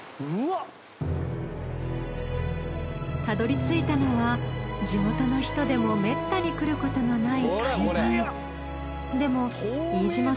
たどり着いたのは地元の人でもめったに来ることのない海岸。